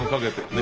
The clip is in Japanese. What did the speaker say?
ね。